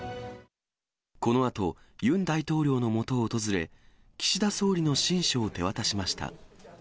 このあと、ユン大統領のもとを訪れ、岸田総理の親書を手渡しました。